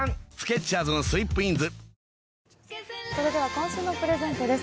今週のプレゼントです。